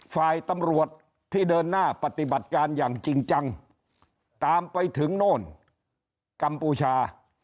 ฝ่ายตำรวจที่เดินหน้าปฏิบัติการอย่างจริงจังตามไปถึงโน่นกัมพูชา